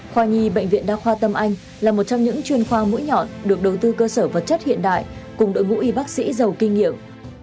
khoa nhi bệnh viện đa khoa tâm anh là một trong những chuyên khoa mũi nhọn được đầu tư cơ sở vật chất hiện đại cùng đội ngũ y bác sĩ giàu kinh nghiệm